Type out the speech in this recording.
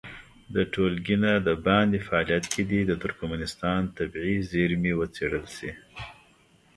د ټولګي نه د باندې فعالیت کې دې د ترکمنستان طبیعي زېرمې وڅېړل شي.